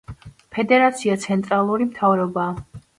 ფედერაცია ცენტრალური მთავრობაა.